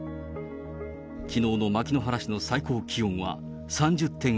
きのうの牧之原市の最高気温は３０．５度。